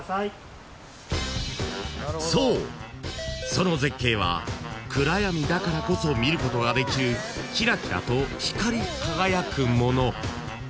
その絶景は暗闇だからこそ見ることができるキラキラと光り輝くもの］